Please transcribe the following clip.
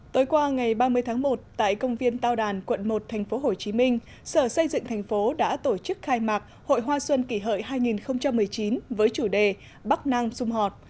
tối qua ngày ba mươi tháng một tại công viên tao đàn quận một tp hcm sở xây dựng thành phố đã tổ chức khai mạc hội hoa xuân kỷ hợi hai nghìn một mươi chín với chủ đề bắc nam xung họp